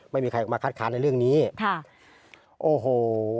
ไม่มีใครออกมาคัดค้านในเรื่องนี้ค่ะโอ้โห